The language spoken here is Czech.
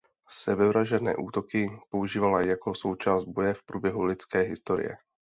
Sebevražedné útoky používala jako součást boje v průběhu lidské historie.